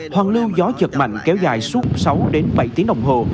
hoàn lưu gió giật mạnh kéo dài suốt sáu đến bảy tiếng đồng hồ